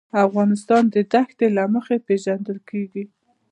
افغانستان د دښتې له مخې پېژندل کېږي.